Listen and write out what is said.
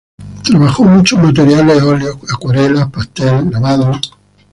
Trabajó muchos materiales: óleos, acuarelas, pastel, grabados.